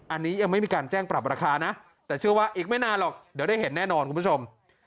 อันนี้ยังไม่มีการแจ้งปรับราคานะแต่เชื่อว่าอีกไม่นานหรอกเดี๋ยวได้เห็นแน่นอนคุณผู้ชม